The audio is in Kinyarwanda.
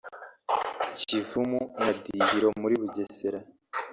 Kivumu na Dihiro muri Bugesera